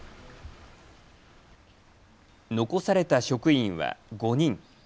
残された職員は５人。